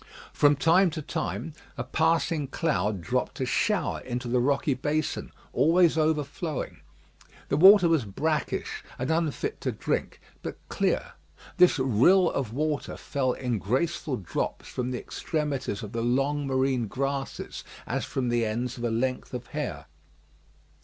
From time to time a passing cloud dropped a shower into the rocky basin, always overflowing. The water was brackish, and unfit to drink, but clear. This rill of water fell in graceful drops from the extremities of the long marine grasses, as from the ends of a length of hair.